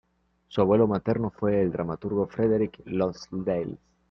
Su abuelo materno fue el dramaturgo Frederick Lonsdale.